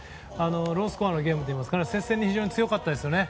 ロースコアのゲームといいますか接戦に非常に強かったですね。